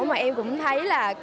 mà em cũng thấy là